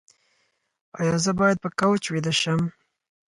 ایا زه باید په کوچ ویده شم؟